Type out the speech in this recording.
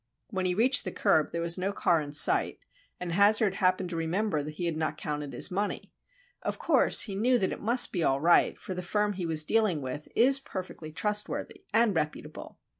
When he reached the curb there was no car in sight, and Hazard happened to remember that he had not counted his money. Of course he knew that it must be all right, for the firm he was dealing with is perfectly trustworthy and reputable.